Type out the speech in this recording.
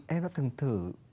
em đã thường thử